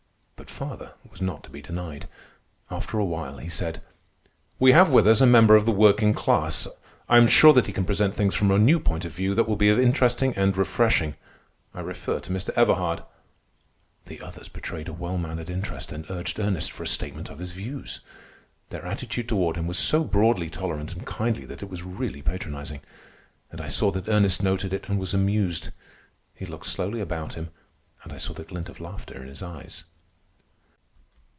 But father was not to be denied. After a while he said: "We have with us a member of the working class. I am sure that he can present things from a new point of view that will be interesting and refreshing. I refer to Mr. Everhard." The others betrayed a well mannered interest, and urged Ernest for a statement of his views. Their attitude toward him was so broadly tolerant and kindly that it was really patronizing. And I saw that Ernest noted it and was amused. He looked slowly about him, and I saw the glint of laughter in his eyes.